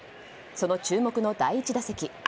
その注目の第１打席。